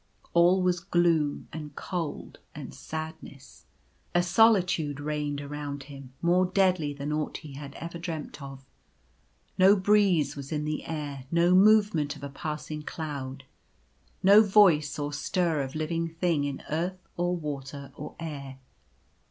All was gloom and cold and sadness. A solitude reigned around him, more deadly than aught he had ever dreamt of. No breeze was in the air ; no movement of a passing cloud. No voice or stir of living thing in earth, or water, or air.